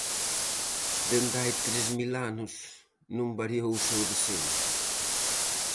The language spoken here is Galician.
Dende hai "tres mil anos" non variou o seu deseño.